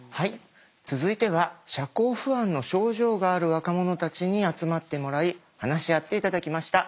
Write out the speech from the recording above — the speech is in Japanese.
続いては社交不安の症状がある若者たちに集まってもらい話し合って頂きました。